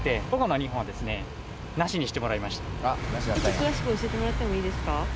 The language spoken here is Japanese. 詳しく教えてもらってもいいですか？